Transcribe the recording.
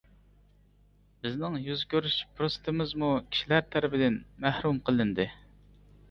بىزنىڭ يۈز كۆرۈشۈش پۇرسىتىمىزمۇ كىشىلەر تەرىپىدىن مەھرۇم قىلىندى.